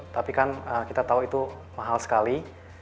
tapi kan kita tahu itu mahal sekali